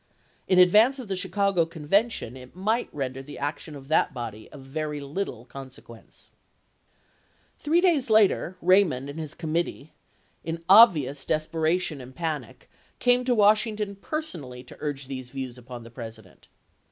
In advance of the Chicago Convention it might render the to Lincoln, action of that body of very little consequence. i8e£g,Ms. Three days later, Raymond and his commit tee, in obvious depression and panic, came to 220 ABRAHAM LINCOLN chap. ix. Washington personally to urge these views upon the President.